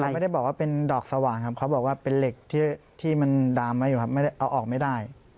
ไม่ได้บอกว่าเป็นดอกสว่างครับเขาบอกว่าเป็นเหล็กที่มันดามไว้อยู่ครับไม่ได้เอาออกไม่ได้